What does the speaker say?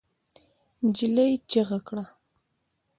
نجلۍ چيغه کړه.